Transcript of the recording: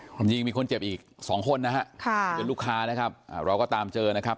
ความจริงมีคนเจ็บอีกสองคนนะฮะเป็นลูกค้านะครับเราก็ตามเจอนะครับ